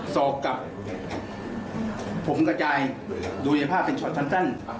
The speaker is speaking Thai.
สอบกับผมกระจายดูในภาพเป็นช็อตชั้น